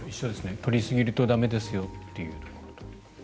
取りすぎると駄目ですよっていう。